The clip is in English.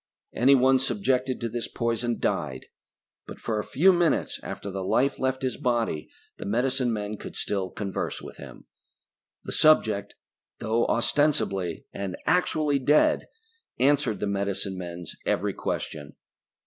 Anyone subjected to this poison died, but for a few minutes after the life left his body the medicine men could still converse with him. The subject, though ostensibly and actually dead, answered the medicine men's every question.